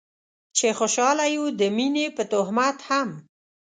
چې خوشحاله يو د مينې په تهمت هم